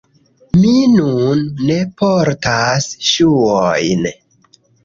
Mi nun ne portas ŝuojn